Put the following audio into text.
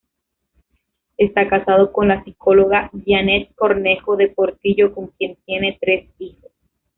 Está casado con la psicóloga Jeanette Cornejo de Portillo con quien tiene tres hijos.